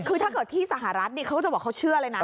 คือถ้าเกิดที่สหรัฐนี่เขาจะบอกเขาเชื่อเลยนะ